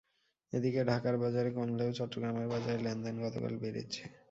এদিকে ঢাকার বাজারে কমলেও চট্টগ্রামের বাজারে লেনদেন গতকাল বেড়েছে।